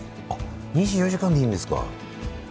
２４時間でいいんですか。